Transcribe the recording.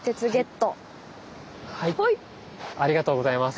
ありがとうございます。